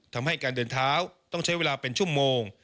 ทำให้การเดินเท้าต้องใช้เวลาเป็นชั่วโมง